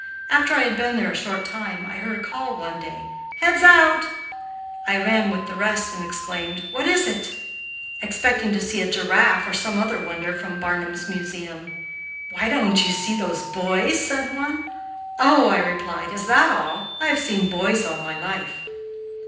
After I had been there a short time, I heard a call one day: "Heads out!" I ran with the rest and exclaimed, "What is it?" expecting to see a giraffe or some other wonder from Barnum's Museum. "Why, don't you see those boys?" said one. "Oh," I replied, "is that all? I have seen boys all my life."